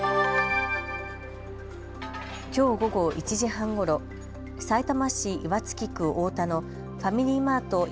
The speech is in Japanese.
きょう午後１時半ごろさいたま市岩槻区太田のファミリーマート